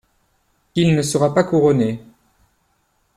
Il ne sera pas couronné.